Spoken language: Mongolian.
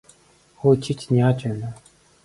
Хөөе чи чинь яаж байна аа?